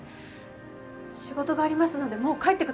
仕事がありますのでもう帰ってください。